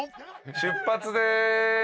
出発です。